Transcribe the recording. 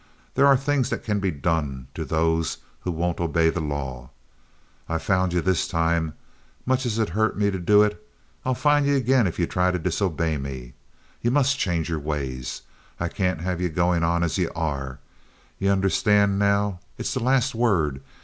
There are things that can be done to those who won't obey the law. I found ye this time—much as it hurt me to do it. I'll find ye again if ye try to disobey me. Ye must change yer ways. I can't have ye goin' on as ye are. Ye understand now. It's the last word.